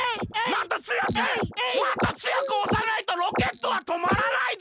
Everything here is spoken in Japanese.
もっとつよくおさないとロケットはとまらないぞ！